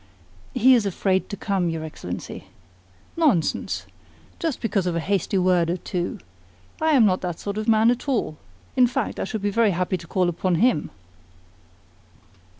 "He is afraid to come, your Excellency." "Nonsense! Just because of a hasty word or two! I am not that sort of man at all. In fact, I should be very happy to call upon HIM."